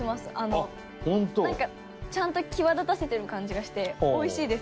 なんかちゃんと際立たせてる感じがしておいしいです。